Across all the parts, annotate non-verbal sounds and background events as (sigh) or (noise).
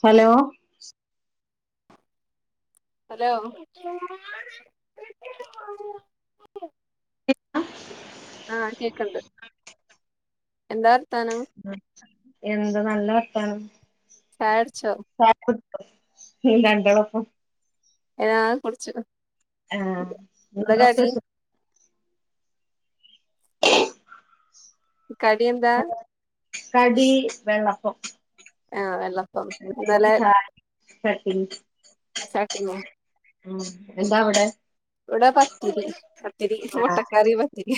Hello hello ആഹ് കേക്കിണ്ട് എന്താ വർത്താനം എന്ത് നല്ല വർത്താനം ചായുടിച്ചോ (unintelligible) ഞങ്ങളപ്പം ഏഹ് ആണ് കുടിച്ചു ആഹ് എന്താ കടി (unintelligible) കടിയെന്താ കടി വെള്ളപ്പം ആഹ് വെള്ളപ്പം ഇപ്പം ഇന്നലെ (unintelligible) (unintelligible) (unintelligible) ഉം എന്താ അവിടെ ഇവിടെ പത്തിരി പത്തിരി ആഹ് മുട്ടക്കറി പത്തിരി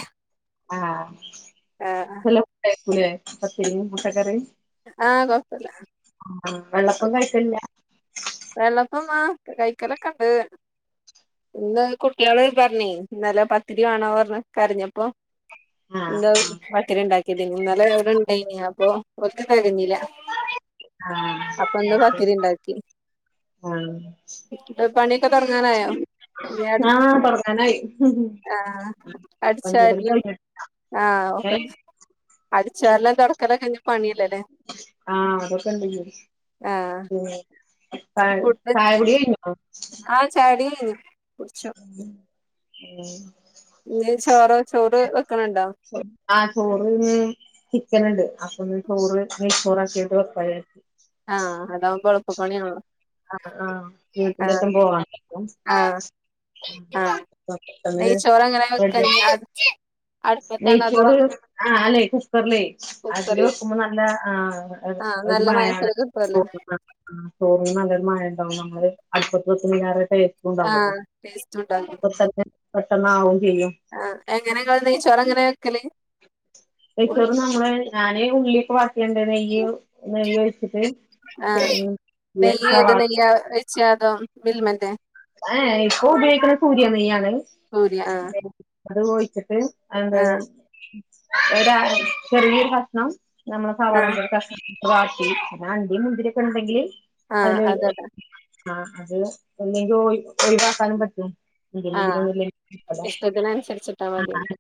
ആഹ് ആഹ് (unintelligible) പത്തിരി മുട്ടക്കറി ആഹ് കൊഴപ്പില്ല ആ വെള്ളപ്പം കഴിക്കലില്ല വെള്ളപ്പം ആ കൈക്കലൊക്കെ ഇണ്ട് ഇന്ന് കുട്ടികള് പറഞ്ഞേ ഇന്നല പത്തിരി വേണന്ന് പറഞ്ഞ് കരഞ്ഞപ്പോ ആഹ് എന്താ പത്തിരി ഇണ്ടാക്കി (unintelligible) ഇന്നലെ ഇവിടെ ഇണ്ടായിനി അപ്പ ഒന്നും തികഞ്ഞില്ല ആഹ് ആഹ് പണീക്കെ തുടങ്ങാനായോ പി ആഹ് തൊടങ്ങാനായി ആഹ് അപ്പം ചൂടൽ അടിച്ചാരലും കഴിഞ്ഞ് ആഹ് ഒക്കെ ഏഹ് അടിച്ച് വാരലും തൊടക്കലൊക്കെ ഇനി പണിയില്ലേ ആഹ് അതൊക്കെ ഇണ്ട് ല്ലേ ആഹ് ഉം ചാ ചായുടി കഴിഞ്ഞോ ആഹ ശാരീ ഉ (inaudible) ഇ ചോറോ ചോറ് വെക്കണണ്ടോ ആ ചോറ്ന്ന് ചിക്കന ഉണ്ട് അപ്പൊ ന ചോറ് നെയ് ചോറക്കിയിട്ട് കൊറ ആഹ് അതാവ എളുപ്പ പണിയാണല്ലോ ആ ആഹ വീട്ടിലൊക്കും പോവാ ആഹ് ആഹ് അങ്ങെ നെയ്ച്ചോറ് എങ്ങനെ വെക്ക നെയ് അടുപ്പത്താണോ അതോ ചോറ് അല്ലേ കുക്കറിലേ അതില് കുക്കറില് വെക്കുമ്പോ നല്ല ആ ആഹ് ഒരു നല്ല മഴയാണ് മയത്തില് കിട്ടുവല്ലോ പോകുന്നത് ആ ചോറിന് നല്ലരു മയം ഉണ്ടാവും നമ്മള് അടുപ്പത് (unintelligible) ണ്ടാവല്ല ആഹ് ടേസ്റ്റ് ഉണ്ടാകും പ പെട്ടണ ആയും ചെയ്യും ആ എങ്ങനെങ്ങൾ നെയ്ച്ചോറെ എങ്ങനെ വെക്കലേ തച്ചോറ് നമ്മള് ഞാന് ഉള്ളിക്ക് ബാക്കിയണ്ട ഈ നെയ് ഒഴിച്ചിട്ട് അല്ലാ ഇത് ശാദോം ബിൽമറ്റ ഏ ഇപ്പൊ ഉപയോഗിക്കണ സൂര്യ നെയ്യാണ് സൂര്യ ആഹ് അത് ചഴിച്ചിട്ട് എന്ത ആഹ് ഒരു ചെറിയൊരു കക്ഷണം നമ്മള് ആഹ് സവാളച കഷ്ട്ട്റ്റി പിെ അണ്ടിയ മുന്തിരിൊക്കെ ഉണ്ടെങ്കില് ആഹ് അതി അതോടാ ആ അത് എന്തെങ്കും പറ്റും മുതി ആഹ് ഇഷ്ടത്തിനനുസരിച്ചിട്ടാ മതി (unintelligible)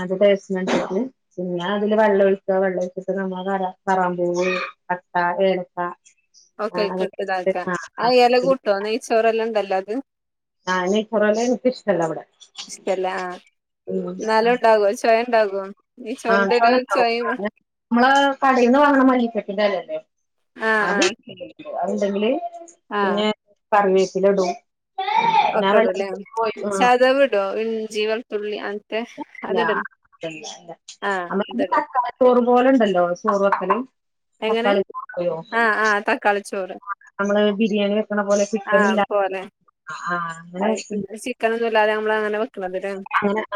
അത്സട്ടില് (inaudible) പിന്നെ അതില് വെള്ളം ഒഴിക്കുക വെള്ളം ഒഴിച്ചിട്ട് നമ്മൾ ക കറാൻ പോ കട്ട ഏലക്ക ഓക്കെ ആഹ് അതൊക്കെ ഇട്ടിട്ട് കിട്ടതാക്കാം ആഹ് ആ ആഹ് ഇല പിന്നെ കൂട്ടോ നെയ്ച്ചോറെല്ലാം ഉണ്ടഢണല്ലോ അത് ആ ഇ കൊറല്ല എനിക് ഇഷ്ഠം ആല്ല അവിടെ ഇഷ്ടല്ല ചവയ ഉണ്ടാകുവോ ന ചന്തരു ചവയ (inaudible) നമ്മള് കടയിൽന്ന് വാങ്ങണ മലട്ടന്റെല്ലേല്ലേ ആഹ് അത് ആഹ് അത്ണ്ടെങ്കില് ആഹ് പിന്നെ കറിവേപ്പില ഇടും പിന്നെ അക്കടല്ലെ വെള്ളത്തി പോയി ആഹ് സദവിട ഇൻ ജീവൽത്തുുള്ളി അത്തെ ല്ല അതല്ലല്ല ആഹ് അതിട നമ്മ ചോറ് പോലെ ഉണ്ടല്ലോ ചോറ വക്കൽ എങ്ങനെ സക്കളോ ആഹ് ആഹ് തക്കാളി ചോറ് നമ്മള് ബിരിയാണി വെക്കണ പോലെ ചിക്കൻ ഇല്ല ആഹ ആ ചിക്കൻ ഒന്നും ഇല്ലാതെ നമ്മൾ എങ്ങനെയ വയ്ക്കുന്നത്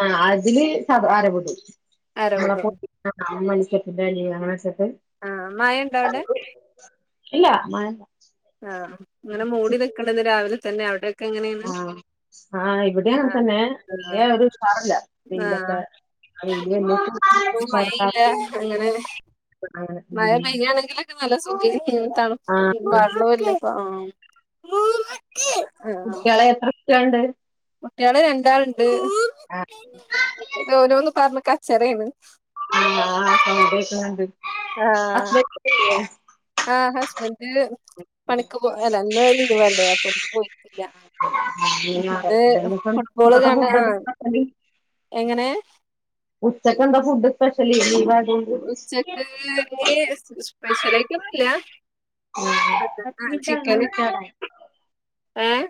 ആ അതില് സ ആരപടും അരവിടും നമ്മളപ്പ ആഹ് അമ്മണിച്ചപ്പ ഇത അങ്ങനെച്ചപ്പ ആഹ മായ ഉണ്ടോ അവിടെ ഇല്ല മല്ല ആഹ് അങ്ങനെ മൂടി നിക്കണ്ടന്ന് രാവിലെ തന്നെ അവിടെ ആഹ ആഹ് ഇവിടൊണ് ആഹ് തന്നെ വലിയ ആഹ് ഒരു പാറില്ല ആഹ് വയിലൊക്കെ അവ ഇപ്പൊ സർക്കാർ മഴയില്ല അങ്ങനെ ആ ഉ മഴ പെയ്യാണെങ്കിലൊക്കെ നല്ല സുഖി തണു വെള്ളല്ല കുട്ടികളെ എത്ര ഇഷണ്ട് കുട്ടികള് രണ്ടാളുണ്ട് ഓനോന്ന് പറഞ്ഞ കച്ചറാണ് ആ സൗണ്ട് കേക്കണ്ട് ഹസ്ബൻഡ് ഇല്ലേ ആ് ഹസ്ബൻഡ് പണക്ക് പോ അന്ന് ലീവ് അല്ലേ പോയിട്ടില്ല ഇല്ലേ ഇന്ന് അത് ഞായറാഴ്ച തന്നെ ഇപ്പം ഫുട്ബോള് ഇന്നത്തെ കണ്ട ഫുഡ് ആ എന്താ സ്പെഷ്യല് എങ്ങനെ ഉച്ചക്ക് എന്താ ഫുഡ് സ്പെഷ്യല ഉച്ചക്ക്െ സ്പെഷ്യലായിട്ട് ഒന്നുംല്ല (unintelligible) ഏഹ്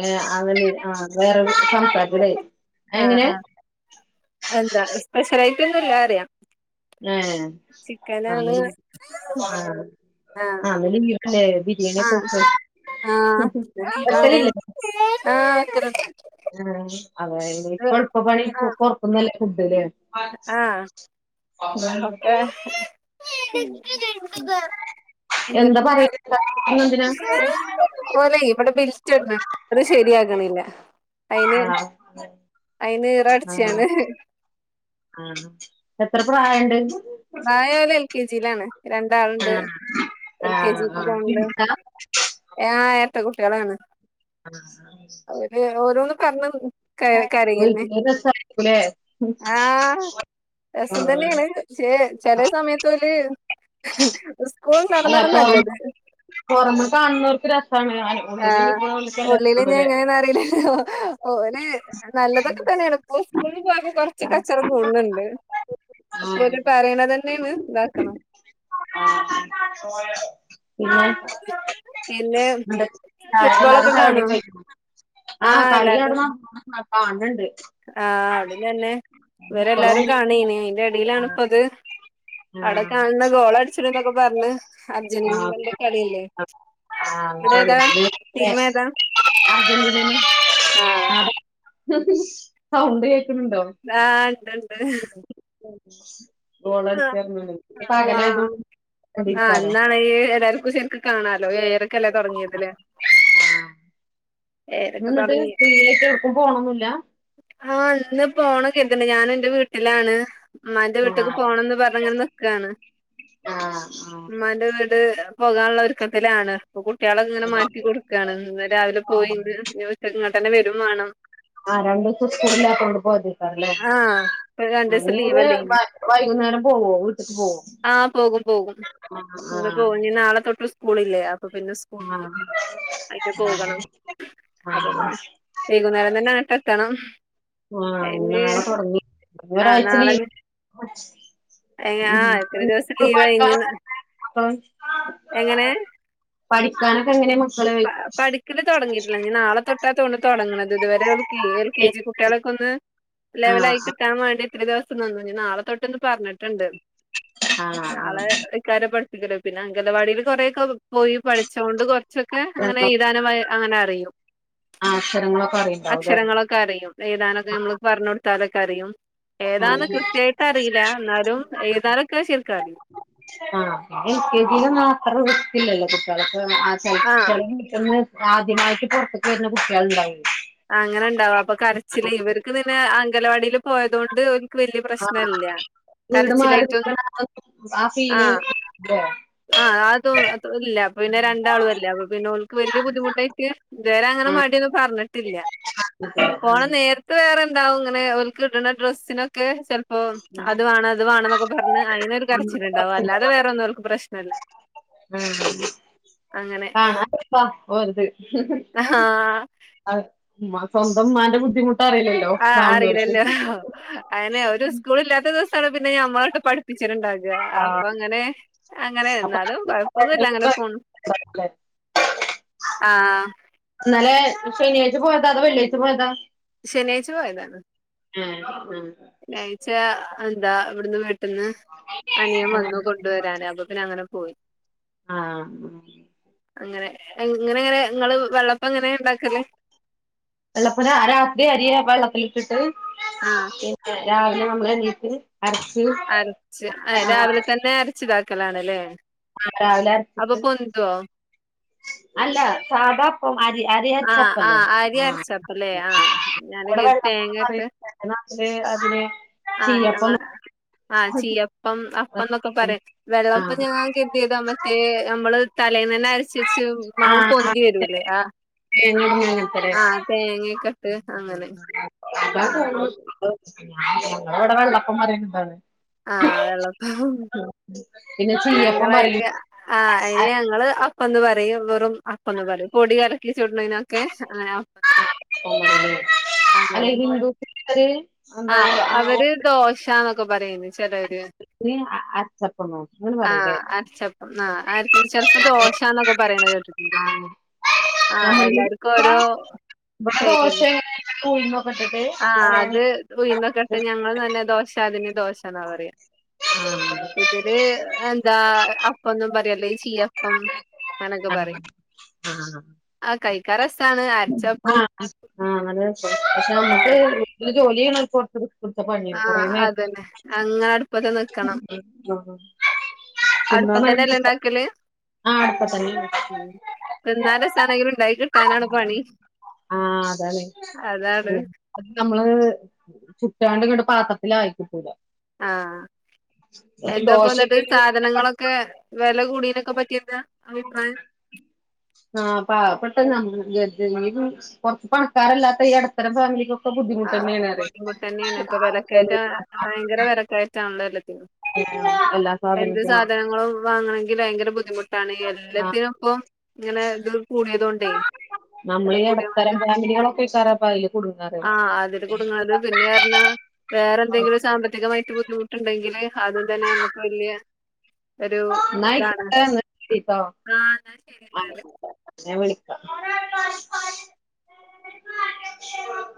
ഏഹ് അതലെ ആ (inaudible) സംസാരത്തില്ലേ ആഹ് ആഹ് എന്താ സ്പെഷ്യലായിട്ട് ഒന്നല്ല അറിയാ ഏഹ് അവല് (inaudible) ആഹ് അവലെ വീട്ടിലെ വീ എങ്ങനെ ആഹ് പോക്ക് ആഹ് ഉം ഉം എന്താണ് എതലില്ലേ ആഹ് എതലൊക്കണ്ട് ആഹ് അതായത് ഇപ്പ എളുപ്പ പണി പുറത്തുനിന്ന് അല്ല ഫൂഡ് ല്ലേ ആഹ് ഒക്കെ എന്ന പിന്നെ എന്താ പറയ എന്തിനാ ഓലെ ഇവിടെ ബിൽറ്റ് ഇട്ണ്ണ് ണ്ട് അത് ശെരിയാക്കണില്ല അയിന് ആഹ് അയിന് ആഹ് ഇറടിചാണ് ആഹ് എത്ര പ്രായണ്ട് പ്രായം ഓല് എൽ കെ ജി ലാണ് രണ്ടാളുണ്ട് ആഹ് എൽ കെ ആഹ് ജിക്ക് ആഹ് പോൺ ണ്ട് പിടിക്കാ ആഹ് എരട്ട കുട്ടികളാണ് ആ (inaudible) ഏഹ് ഓരോന്ന് പറഞ്ഞ് ക കരയന്നെ വീട്ടില് രസായിരിക്കൂലേ ആ ആ രസം തന്നെയാണ് പക്ഷെ ചെില സമയത്ത് ഓല് സ്കൂൾ ണ്ടാവ്ണതാ നല്ലത് പൊറമേ കാണുന്നവർക്ക് രസമാണ് ഞാനും ആഹ് ഉള്ളില് ഞ്ഞ് എങ്ങനെന്ന് അറിയില്ലോ ഓല് നല്ലതൊക്കെ തന്നെയാണ് പ്പൊ സ്കൂളിൽ പോയപ്പൊ കൊറച്ച് കച്ചറ കൂട്ണ് ണ്ട് ഒര് പറിണ തന്നെ ണ് ഇതാക്കണം ആഹ് ആ പിന്നെ ന്റെ എല്ലാരും ഫുട്ബോളൊക്കെ കാണോ ചായകുടിം കഴിഞ്ഞോ ആ ആഹ് കളി അവ്ട്ന്ന് കാൻണ്ട് ആഹ് അവിടിം തന്നെ മക്കളും ഇവരെല്ലാരും കാണേനു അതിന്റെ ഇടയിലാണ്പ്പ ത് അവിടെ കാണുന്ന ഗോള അടിച്ചു ന്നൊക്കെ പറഞ് അർജന്റീനന്റെ കളില്ലേ ആഹ് ആ (inaudible) സൗണ്ട് കേക്കുണ് ണ്ടോ? ആഹ് ഉണ്ട്ണ്ട് ഗോൾള്ളട്ടിചാ റഞ്ഞങ്ങാണ്ട് പകലായതുകൊണ്ട് കണ്ട് രിക്കലോ ഏഹ് എല്ലാക്കും ശരിക്ക് കാണാലോ ഏയരക്കല്ലേ തൊടങ്ങിയത് ല്ലെ ഇന്ന് ന്ന്ട്ട് ഫീ ആയിട്ട് എവ്ട്ക്കും പോണന്നുല്ല ആഹ് ഇന്ന് പോണംകര്ത്ണ്ട് ഞാൻ എന്റെ വീട്ടിലാണ് അമ്മാന്റെ വീട്ടക്ക് ആഹ് പോണന്ന് പറഞ്ങ്ങനെ നിക്കാണ് ആഹ് ആഹ് ഉമ്മാന്റെ വീട് പോകാനുള്ള ക്കത്തിലാണ് അപ്പൊ കുട്ട്യാളെക്കെങ്ങനെ മാറ്റി കൊടുക്കയാണ് ഇന്ന് രാവിലെ പോയി ന്ന് ച്ചക്ക് ഇങ്ങ്ട്ടെന്നെ വരും വാണം ആഹ് രണ്ടു ദിവസം സ്കൂള്ലാത്തോണ്ട് പോയ ത്തേകാരം ലെ ആഹ് ഇപ്പൊ രണ്ടീസം അങ്ങ് വ ലീവല്ലേനി വൈകുന്നേരം പോവോ വീട്ടക്ക് പോവും ആഹ് പോകും പോകും ഇന്ന് പോകും ഇനി നാളെ തൊട്ട് സ്കൂളല്ലേ അപ്പൊ പിന്നെ സ് ക്ക് ആഹ് ആയിട്ട് പോകണം അപ്പൊ ആഹ് തന്നെ വൈകുന്നേരം ആഹ് തന്നെങ്ങട്ട് എത്തണം ആഹ് അയിന് നാളെ തുടങ്ങി ആഹ് ഒരാഴ്ച നാളെ ലീവ് ഇനി ഏഹ് ഉം ആഹ് ഇത്ര (unintelligible) ദിവസം ലീവാ പഠിക്കാനൊക്കെ ഇനി എങ്ങനെ മങ്ങള് എങ്ങനെ പഠിക്കാനൊക്കെ എങ്ങനെ മക്കള് പഠിക്കല് തൊടങ്ങിയിട്ടില്ല നി നാളെ തൊട്ടാത്തൊന്നുണു തുടങ്ങണത് ഇതുവരെ ഓല്കെയ് എൽ കെ ജി കുട്ടികളെക്കെ ഒന്ന് ആഹ് ലെവലായി കിട്ടാൻ വേണ്ടി ഇത്ര ദിവസം നിന്നു ഇനി നാളെ തൊട്ട്ന്ന് പറഞ്ഞിട്ടുണ്ട് ആഹ് ആഹ് നാളെ ക്കാരം പഠിപ്പിക്കല് പിന്നെ അങ്കലവാടിൽ കൊറേക്കെ പോയി പഠിച്ച കൊണ്ട് കുറച്ചൊക്കെ അങ്ങനെ ആഹ് എഴുതാനും വ അങ്ങനെ അറിയും വിവരങ്ങളൊക്കെ അറിണ്ടാവുല്ലേ അക്ഷരങ്ങളൊക്കെ അറിയും എയിതാനൊക്കെ നമ്മള് പറഞ്ഞ് കൊടുത്ത അതൊക്കെ അറിയും എയ്താനൊക്കെ കൃത്യ വായിട്ട് അറിയില്ല എന്ന ട്ടും ഏയുതാനൊക്കെ ശെർക്കറിയും ആഹ് എൽ കെ ജി യിലൊന്നും അത്ര റിസ്കില്ലല്ലോ കുട്ടികൾക്ക് ആഹ് (unintelligible) ആദ്യമായിട്ട് പുറത്തൊക്കെ വരുന്ന കുട്ടികൾ ഉണ്ടായി ആഹ് അങ്ങനണ്ടാവും അപ്പൊ കരച്ചില് ഇവർക്ക് പിന്നെ അങ്കന വാടിയിൽ പോയത് കൊണ്ട് ഒര് ർക്ക് വലിയ ആ പ്രശ്നല്ല്യ വീട് മാറി കരച്ചിലായിട്ടൊ നിക്കണ ആ ഫീല് ആഹ് (unintelligible) ആഹ് അതുല്ല പിന്നെ രണ്ടാളും അല്ല പിന്നെഓൾക്ക് വല്ലിയ ബുദ്ധിമുട്ടായിട്ട് ഇതുവരെ അങ്ങനെ ആഹ് മടിയൊന്നും പറഞ്ഞിട്ടില്ല (unintelligible) പോണ നേരത്ത് വേറെ എന്താവും ഇങ്ങനെ ഓൽക്ക് ഇടുന്ന ഡ്രസ്സിനൊക്കെ ചെൽ ഓ അത് വേണം ഇത് വേണന്നൊക്കെ പറഞ്ഞ് അയിനൊരു കരച്ചിലുണ്ടാവും അല്ലാതെ വേറെ ഒന്നോർക്ക് പ്രശ് ആഹ് അങ്ങനെ കാണാം പ്പ ഓരിത് ആഹ് അഹ് ഉമ്മ സ്വന്തം ഉമ്മാന്റെ ബുദ്ധിമുട്ട് അറിയില്ലേ ആഹ് അറിയില്ലല്ലോ അങ്ങനെ ഒരു സ്കൂളില്ലാത്ത ദിവസം അവള് പിന്നെ നമ്മളുവായിട്ട് പഠി പ്പിച്ചിട്ടുണ്ടാവില്ല ആ, അപ്പൊ അങ്ങനെ അങ്ങനെ അപ്പൊ എന്നാലും കൊഴപ്പൊന്നുംല്ല അങ്ങനെ പോന്നു (unintelligible) ആഹ് ഇന്നലെ ശനിയാഴ്ച്ച പോയതാ അതോ വെള്ളിയാഴ്ച പോയതാ ശനിയാഴ്ച പോയതാണ് ഉം ഉം വ്യാഴാഴ്ച്ച എന്താ ഇവിടുന്ന് വെ ട്ടന്ന് അനിയൻ വന്നു ആഹ് കൊണ്ടുവരാന് അപ്പ പിന്ന അങ്ങന പോയി. ആഹ് അങ്ങനെ എങ്ങനെണ് നിങ്ങള് വെള്ളപ്പ എങ്ങനെയ ഉണ്ടാക്കല്. വെള്ളപ്പന രാത്രി അരിയ വെള്ളത്തിലിട്ടിട്ട് ആഹ് പിന്നെ രാവിലെ നമ്മളെണീറ്റ് അരച്ച് അരച്ച് ആഹ് രാവിലെ തന്നെ അരച്ചിതാക്കലാണല്ലേ ആഹ് രാവിലെ അരച്ചിട്ട് ഇതോ അല്ല സാദാ അരി ആഹ് അരിച്ചപ്പല്ലേ ആഹ് അരി ആഹ് അരച്ചപ്പല്ലേ ആഹ് ഞാന് ഇവിടെ കരുതി വെള്ളപ്പോന്നും തേങ്ങ ഇട്ട് പറയും എന്റെ നാട്ടില് അതിന് ചിലമ്പ് (unintelligible) ആ ചീയപ്പം അപ്പന്നൊക്കെ പറയും വെള്ളപ്പം ആഹ് ഞാൻ കിട്ടിയത (unintelligible) നമ്മള് തലേന്ന് തന്നെ അരച്ച് വെച്ച് മാവ് ആഹ് പൊന്തി വരൂല്ലേ ആഹ് (unintelligible) ആഹ് തേങ്ങക്കെയിട്ട് അങ്ങനെ ആഹ് (unintelligible) ആഹ് വെള്ളപ്പം പിന്ന ഞങ്ങളതിന് ആ അതിന് ഞങ്ങള് അപ്പന്ന് പറയും വെറും അപ്പൊന്ന് പറയും പൊടി ഇറക്കി ചുടണതിനൊക്കെ അങ്ങന അരപ്പം പറയും അല്ലെ അങ്ങനെ ഹിന്ദുസിലൊരു എന്തോ ആഹ് അവര് ഓണത്തിന് ദോശന്നൊക്കെ പറയുന്നു ചിലര് (unintelligible) ചപ്പന്നൊ (unintelligible) ആഹ് അരച്ചപ്പം ആ ചെലപ്പോ ദോശന്നൊക്കെ പറയുന്നത് കേട്ടിട്ടുണ്ട് ആഹ് ആഹ് എല്ലാർക്കും ഓരോ ബടെ ശൈലിയല്ലേ ദോശേണ് (unintelligible) ഉഴുന്നും ഒക്കെട്ടിട്ട് ഉയ്ന്നൊക്കിട്ട് ഞങ്ങൾ തന്നെ ദോശാ അതിന് ദോശാന്നാ പറയാ ആഹ് ഇതിര് എന്താ അപ്പന്നും പറയും അല്ലേല് ചീയപ്പം. അങ്ങനൊക്കെ ആഹ് പറയും ആഹ് ആഹ് ആഹ് കഴിക്കാ രസാണ് അരച്ചപ്പും ആഹ് ആഹ് നല്ല രസാ പക്ഷെ നമ്മുക്ക് ആഹ് വീട്ടില് ജോലി ചെയ്യുന്നവർക്ക് (unintelligible) കൊടുത്തപ്പണിയെ കൊറേ നേരം അങ്ങാട് (inaudible) അടുപ്പത്തന്നെല്ലേ തിന്നോനായില്ല ഇണ്ടാക്കല് ആഹ് അട്പ്പത്താ തിന്നാൻ രസാണെങ്കിലും ഉണ്ടാക്കി കിട്ടാനാണ് പണി ആഹ് അതാണ് അതാണ് അതന്നെ അത് നമ്മള് ചുട്ടാണ്ട് ഇങ്ങട് പാത്രത്തില് ആയിക്കിട്ടൂല ആഹ് എന്താപ്പോ ന്നട്ട് ദോശയൊക്കെയാണെന്നുണ്ടെങ്കി സാധനങ്ങളൊ ക്കെ വെല കൂടീനൊക്കെ പറ്റിയെന്താ അഭിപ്രായം ആഹ് പാവപ്പെട്ട നമ്മ ഗതി ഈ ഒരു കുറച്ച് പണക്കാരല്ലാത്ത ഈ എട ത്തരം ഫാമിലികൊക്കെ ആഹ് ബുദ്ധിമുട്ടന്നെണ് ബുദ്ധിമുട്ടെന്നെയാണ് ഇപ്പൊ വെലക്കയറ്റ ഭയങ്കര വെലക്കയ റ്റാണല്ലോ എല്ലത്തിനും ആഹ് എല്ലാ സാധനത്തിനും വാങ്ങണങ്കിൽ ഭയങ്കര ബുദ്ധിമുട്ടാണ് ആഹ് എല്ലാത്തിനും ഇപ്പൊ ഇങ്ങനെ ഇത് കൂടിയത് കൊണ്ടേ നമ്മൾ ഈ എടത്തരം ഫാമിലികളൊക്കെക്കാരം ഇപ്പൊയില് ആഹ് അതില് കുടുങ്ങ്ണത് പിന്നെർഞ്ഞ വേറെ എന്തെങ്കിലും സാമ്പത്തികമായിട്ട് ബുദ്ധിമുട്ടുണ്ടെങ്കില് ആദ്യം തന്നെ നമ്മുക്ക് വലിയ ഒരു ന്നാ ആയിക്കോട്ടെ ന്നാ ശെരി ട്ടോ ആ എന്നാ ശരി എന്നാല് ഞാൻ വിളിക്കാ